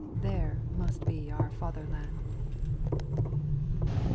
There must be our fatherland.